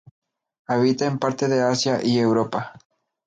Habita en parte de Asia y Europa.